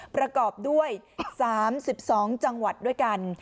ประกอบด้วย๓๒จังหวัดด้วยกัน